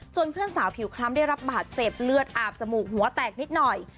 เพื่อนสาวผิวคล้ำได้รับบาดเจ็บเลือดอาบจมูกหัวแตกนิดหน่อย